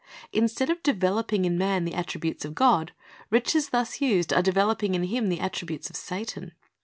Instead of developing in man the attributes of God, riches thus used are developing in him the attributes of Satan.